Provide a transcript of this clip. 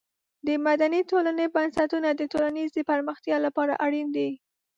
د مدني ټولنې بنسټونه د ټولنیزې پرمختیا لپاره اړین دي.